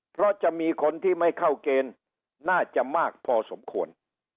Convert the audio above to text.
เพราะจะมีคนที่ไม่เข้าเกณฑ์น่าจะมากพอสมควร